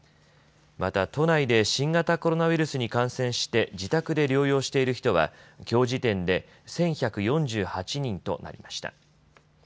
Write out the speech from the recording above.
また、都内で新型コロナウイルスに感染して自宅で療養している人はきょう時点で１１４８人となりました。